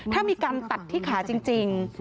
ถ้ามีการตัดที่ขาจริง